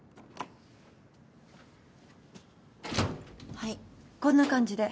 はいこんな感じで。